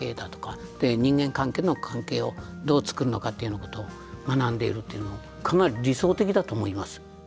人間関係をどう作るのかっていうようなことを学んでいるっていうのかなり理想的だと思います。